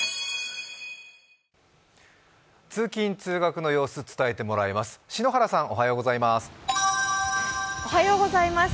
通勤・通学の様子伝えてもらいます。